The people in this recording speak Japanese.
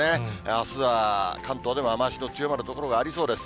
あすは、関東でも雨足の強まる所がありそうです。